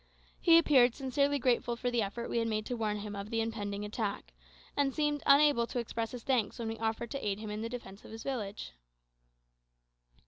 He appeared sincerely grateful for the effort we had made to warn him of the impending attack, and seemed unable to express his thanks when we offered to aid him in the defence of his village.